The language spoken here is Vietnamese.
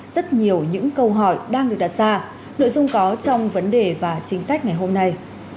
rất nhiều những câu hỏi đang được đặt ra nội dung có trong vấn đề và chính sách ngày hôm nay